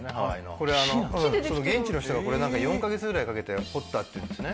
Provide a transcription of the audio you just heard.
これ現地の人が４か月ぐらいかけて彫ったっていうんですね。